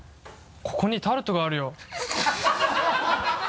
ここにタルトがあるよ！